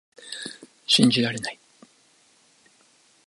信じられない